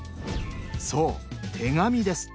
そう手紙です。